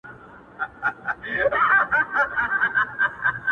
چې سبا یې جنازه ده دا کله سبا کیږي